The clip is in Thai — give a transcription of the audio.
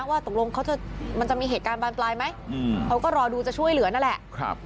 ว่าตกลงมันจะมีเหตุการณ์บานปลายไหมเขาก็รอดูจะช่วยเหลือนั่นแหละ